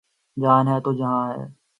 جان ہے تو جہان ہے